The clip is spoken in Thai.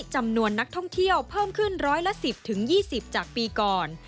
จำนวนนักท่องเที่ยวเพิ่มขึ้นร้อยละ๑๐๒๐จากปีก่อน